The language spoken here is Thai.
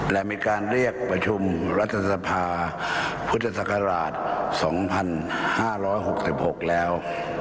และมีการเรียกประชุมรัฐสภาพุทธศักราช๒๕๖๖แล้ว